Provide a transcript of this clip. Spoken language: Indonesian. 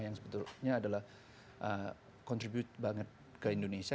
yang sebetulnya adalah contribute banget ke indonesia